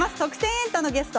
エンタ」のゲスト